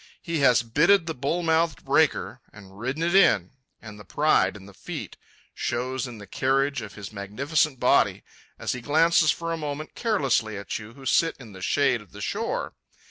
He has "bitted the bull mouthed breaker" and ridden it in, and the pride in the feat shows in the carriage of his magnificent body as he glances for a moment carelessly at you who sit in the shade of the shore.